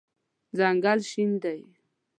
ځنګل شین دی